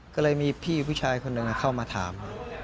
ก็เลยมีพี่ผู้ชายคนหนึ่งเข้ามาถาม